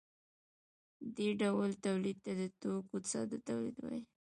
دې ډول تولید ته د توکو ساده تولید وايي.